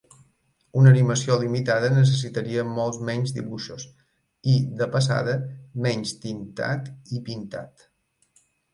Una animació limitada necessitaria molts menys dibuixos i, de passada, menys tintat i pintat.